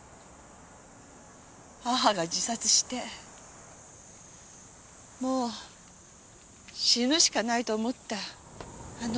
母が自殺してもう死ぬしかないと思ったあの時。